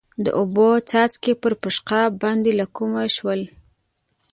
د اوبو څاڅکي پر پېشقاب باندې له کومه شول؟